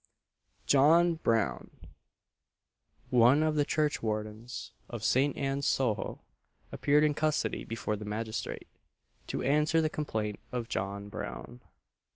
JOHN BROWN. One of the churchwardens of St. Anne's, Soho, appeared in custody before the magistrate, to answer the complaint of John Brown.